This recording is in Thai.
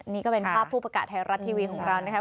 นี่ก็เป็นภาพผู้ประกาศไทยรัฐทีวีของเรานะครับ